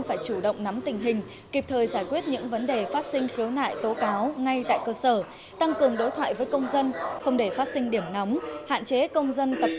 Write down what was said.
hãy đăng ký kênh để nhận thông tin nhất